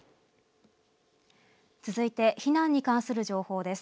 続いて避難に関する情報です。